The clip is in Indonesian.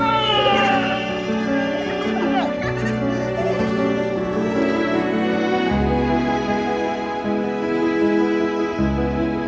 temuin mereka ya